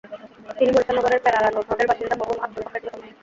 তিনি বরিশাল নগরের প্যারারা রোডের বাসিন্দা মরহুম আবদুল হকের ছোট মেয়ে।